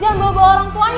jangan bawa bawa orang tuanya